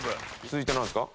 続いてなんですか？